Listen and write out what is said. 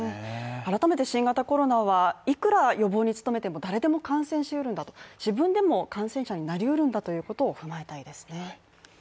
改めて新型コロナはいくら予防に努めても誰でも感染しうるんだと自分でも感染者になりうるんだということを踏まえたいですね